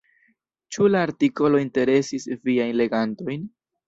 Ĉu la artikolo interesis viajn legantojn?